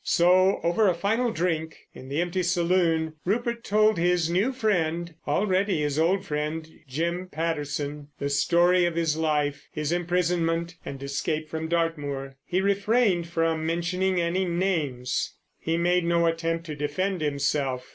So, over a final drink in the empty saloon, Rupert told his new friend, already his old friend, Jim Patterson, the story of his life, his imprisonment and escape from Dartmoor. He refrained from mentioning any names; he made no attempt to defend himself.